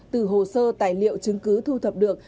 từ hồ sơ tài liệu chứng cứ thu thập được